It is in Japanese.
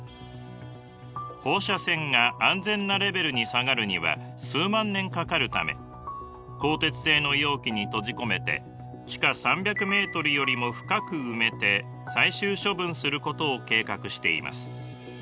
放射線が安全なレベルに下がるには数万年かかるため鋼鉄製の容器に閉じ込めて地下３００ｍよりも深く埋めて最終処分することを計画しています。